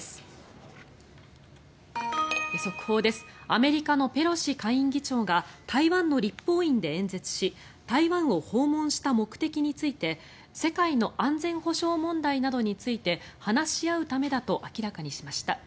アメリカのペロシ下院議長が台湾の立法院で演説し台湾を訪問した目的について世界の安全保障問題などについて話し合うためだと明らかにしました。